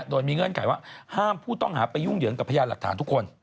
โดยมีเงื่อนไขว่าห้ามผู้ต้องหาไปยุ่งเหยิงกับพยานหลักฐานทุกคน